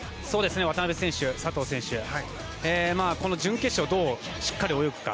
渡辺選手、佐藤選手がこの準決勝をどうしっかり泳ぐか。